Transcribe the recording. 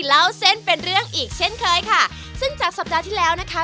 เล่าเส้นเป็นเรื่องอีกเช่นเคยค่ะซึ่งจากสัปดาห์ที่แล้วนะคะ